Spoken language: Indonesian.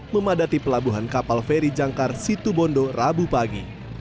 memadati pelabuhan kapal feri jangkar situ bondo rabu pagi